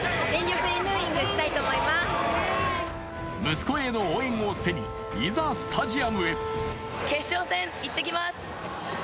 息子への応援を背にいざスタジアムへ。